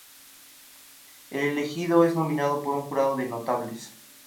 El elegido es nominado por un jurado de notables.